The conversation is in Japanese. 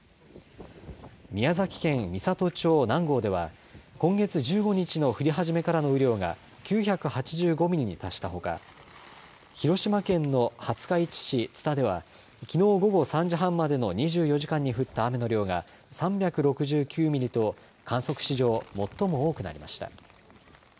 宮崎県美郷町南郷では今月１５日の降り始めからの雨量が９８５ミリに達したほか広島県の廿日市市津田ではきのう午後３時半までの２４時間に降った雨の量が３６９ミリと観測史上、最も多くなりました。